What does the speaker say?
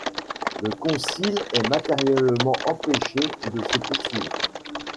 Le concile est matériellement empêché de se poursuivre.